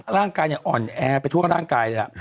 ร่างกายอ่อนแอไปทั่วร่างกาย